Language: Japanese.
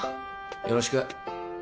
よろしく。